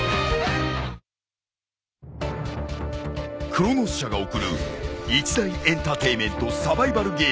［クロノス社が送る一大エンターテインメントサバイバルゲーム］